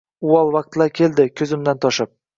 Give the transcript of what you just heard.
Uvol vaqtlar keldi ko’zimdan toshib